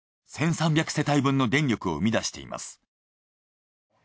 １，３００世帯分の電力を生み出しています。